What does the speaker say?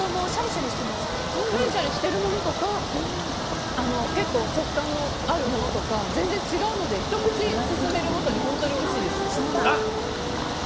シャリシャリしてるものとか結構、食感のあるものとか全然違うのでひと口進めるごとに本当においしいです。